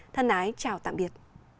thân ái chào tạm biệt